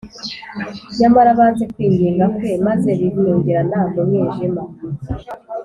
nyamara banze kwinginga Kwe maze bifungiranira mu mwijima